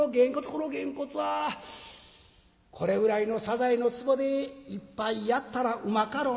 「このげんこつはこれぐらいのサザエの壺で一杯やったらうまかろな」。